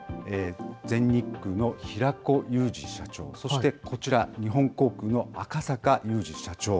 全日空の平子裕志社長、そしてこちら、日本航空の赤坂祐二社長。